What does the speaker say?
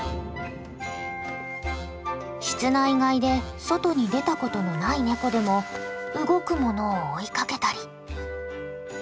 室内飼いで外に出たことのないネコでも動くものを追いかけたり。